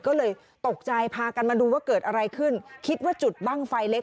ก็เลยตกใจพากันมาดูว่าเกิดอะไรขึ้นคิดว่าจุดบ้างไฟเล็ก